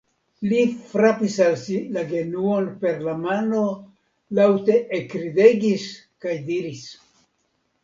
Li frapis al si la genuon per la mano, laŭte ekridegis kaj diris.